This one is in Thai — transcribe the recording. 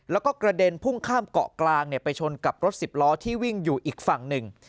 แล้วก็กระเด็นพุ่งข้ามเกาะกลางไปชนกับรถสิบล้อที่วิ่งอยู่อีกฝั่งหนึ่ง